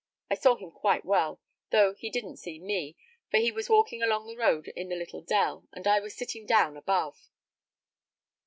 I saw him quite well, though he didn't see me, for he was walking along the road in the little dell, and I was sitting down above."